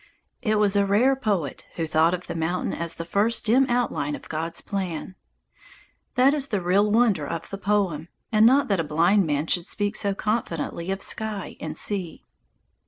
It was a rare poet who thought of the mountain as "the first dim outline of God's plan." That is the real wonder of the poem, and not that a blind man should speak so confidently of sky and sea.